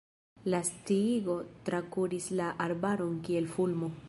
La sciigo trakuris la arbaron kiel fulmo.